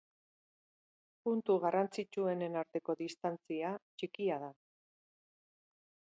Puntu garrantzitsuenen arteko distantzia txikia da.